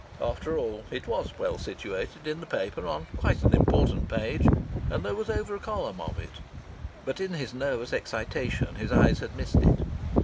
After all, it was well situated in the paper, on quite an important page, and there was over a column of it. But in his nervous excitation his eyes had missed it.